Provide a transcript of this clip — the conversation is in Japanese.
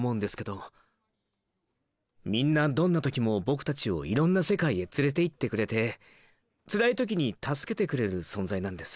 みんなどんな時も僕たちをいろんな世界へ連れていってくれてつらい時に助けてくれる存在なんです。